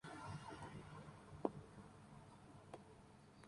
Michele Steno habría ofrecido a los etíopes un fragmento de la Vera Cruz.